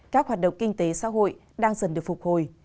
các hoạt động kinh tế xã hội đang dần được phục hồi